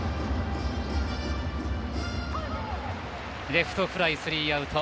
レフトフライ、スリーアウト。